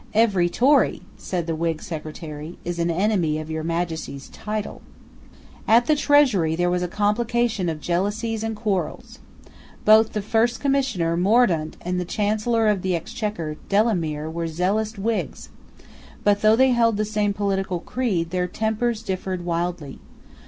"Every Tory," said the Whig Secretary, "is an enemy of your Majesty's title." At the treasury there was a complication of jealousies and quarrels. Both the First Commissioner, Mordaunt, and the Chancellor of the Exchequer, Delamere, were zealous Whigs but, though they held the same political creed, their tempers differed widely.